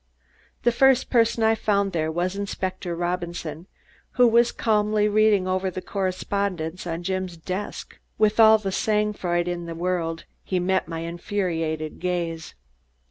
The first person I found there was Inspector Robinson, who was calmly reading over the correspondence on Jim's desk. With all the "sang froid" in the world, he met my infuriated gaze.